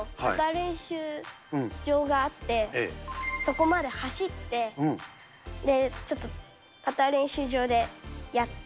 練習場があって、そこまで走って、パター練習場でやって。